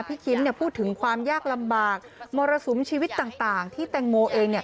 คิมเนี่ยพูดถึงความยากลำบากมรสุมชีวิตต่างที่แตงโมเองเนี่ย